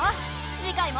次回も。